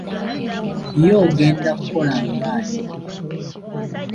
Ye ogenda kuba okola ng'ani?